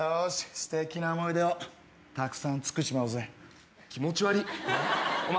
すてきな思い出をたくさん作っちまおうぜ気持ちわりお前